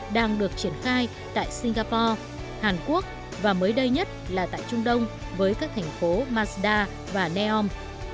đang được triển khai tại singapore hàn quốc và mới đây nhất là tại trung đông với các thành phố mazda và neom